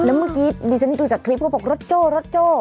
แล้วเมื่อกี้ดิฉันดูจากคลิปเขาบอกรถโจ้รถโจ้